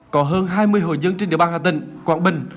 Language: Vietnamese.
có hơn hai mươi hồ dân trên địa bàn hà tình quảng bình